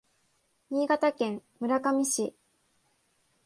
新潟県村上市